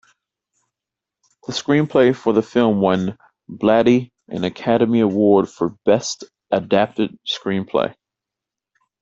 The screenplay for the film won Blatty an Academy Award for Best Adapted Screenplay.